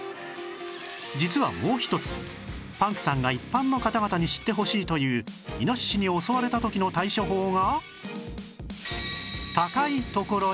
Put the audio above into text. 実はもう一つパンクさんが一般の方々に知ってほしいというイノシシに襲われた時の対処法が